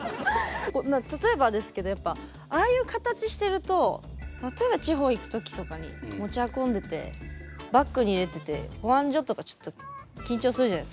例えばですけどやっぱああいう形してると例えば地方行く時とかに持ち運んでてバッグに入れてて保安場とかちょっと緊張するじゃないですか。